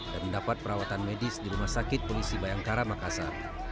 dan mendapat perawatan medis di rumah sakit polisi bayangkara makassar